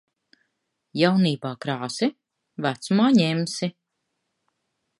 Jaunībā krāsi, vecumā ņemsi.